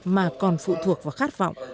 mà còn phụ thuộc vào khát vọng